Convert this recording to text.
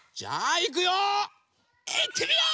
いってみよう！